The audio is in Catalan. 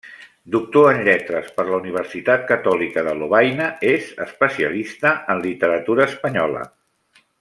Doctor en Lletres per la Universitat Catòlica de Lovaina, és especialista en literatura espanyola.